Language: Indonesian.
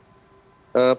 apa yang sudah dilakukan